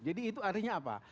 jadi itu artinya apa